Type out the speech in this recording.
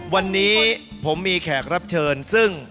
วันนี้ผมมีแขกรับเชิญซึ่ง